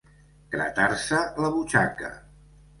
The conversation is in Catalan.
Gratar-se la butxaca.